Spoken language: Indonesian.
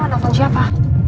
kamu mau nelfon siapa